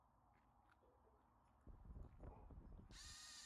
Mama Dee Dee alimuacha baba yake